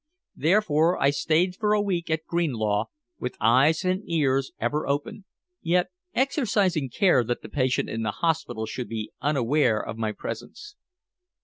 Therefore I stayed for a week at Greenlaw with eyes and ears ever open, yet exercising care that the patient in the hospital should be unaware of my presence.